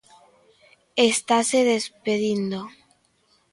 Estase despedindo.